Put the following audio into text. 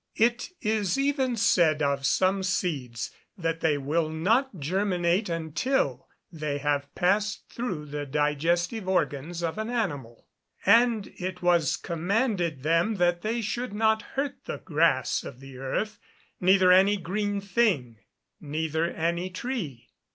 It is even said of some seeds that they will not germinate until they have passed through the digestive organs of an animal. [Verse: "And it was commanded them that they should not hurt the grass of the earth, neither any green thing, neither any tree."